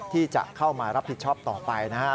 ที่จะเข้ามารับผิดชอบต่อไปนะฮะ